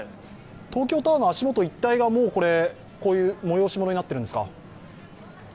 東京タワーの足元、一帯が、これ、こういう催し物になっているんですか？